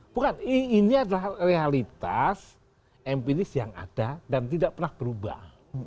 bukan ini adalah realitas empiris yang ada dan tidak pernah berubah